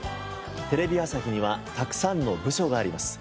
テレビ朝日にはたくさんの部署があります。